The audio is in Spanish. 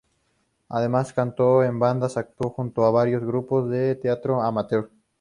Además cantó en bandas y actuó junto a varios grupos de teatro amateur.